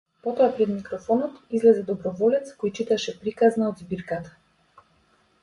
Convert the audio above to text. Потоа пред микрофонот излезе доброволец кој читаше приказна од збирката.